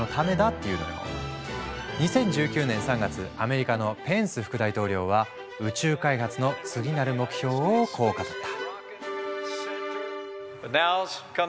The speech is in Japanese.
２０１９年３月アメリカのペンス副大統領は宇宙開発の次なる目標をこう語った。